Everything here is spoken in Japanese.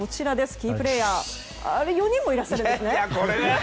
キープレーヤー４人もいらっしゃるんですね。